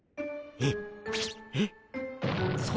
えっ？